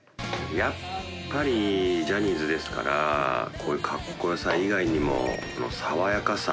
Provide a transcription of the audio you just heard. やっぱりジャニーズですからこういうかっこよさ以外にも爽やかさ